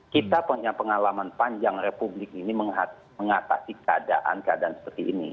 kita punya pengalaman panjang republik ini mengatasi keadaan keadaan seperti ini